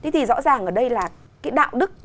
thì rõ ràng ở đây là cái đạo đức